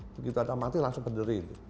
begitu ada mati langsung penderi